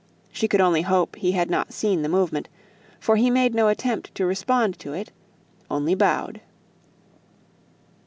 She could only hope he had not seen the movement, for he made no attempt to respond to it; only bowed.